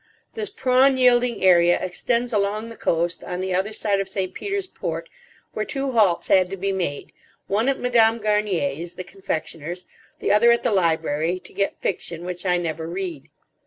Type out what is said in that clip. This prawn yielding area extends along the coast on the other side of St. Peter's Port, where two halts had to be made, one at Madame Garnier's, the confectioners, the other at the library, to get fiction, which I never read.